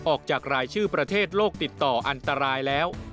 ออกจากรายชื่อประเทศโลกติดต่ออันตรายแล้ว